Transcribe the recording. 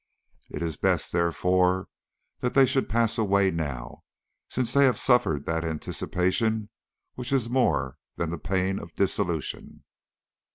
It is best therefore that they should pass away now, since they have suffered that anticipation which is more than the pain of dissolution."